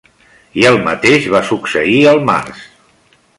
I el mateix va succeir al març.